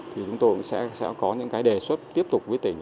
thì chúng tôi sẽ có những đề xuất tiếp tục với tỉnh